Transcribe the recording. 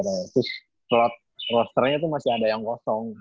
terus slot rosternya tuh masih ada yang kosong